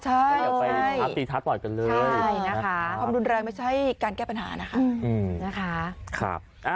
ใช่ความรุนแรงไม่ใช่การแก้ปัญหานะคะ